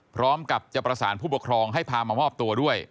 พร้อมกับจะประสานผู้ปกครองให้พามามอบตัวด้วย